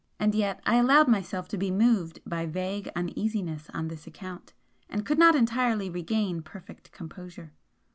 And yet I allowed myself to be moved by vague uneasiness on this account, and could not entirely regain perfect composure.